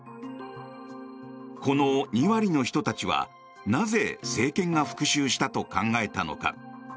この２割の人たちはなぜ政権が復しゅうしたと考えたのか。